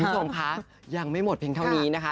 ทีสมพักยังไม่หมดเพลงเท่านี้นะคะ